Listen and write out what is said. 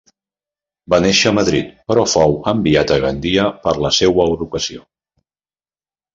Va nàixer a Madrid però fou enviat a Gandia per a la seua educació.